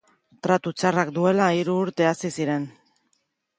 Tratu txarrak duela hiru urte hasi ziren.